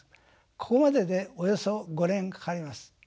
ここまででおよそ５年かかります。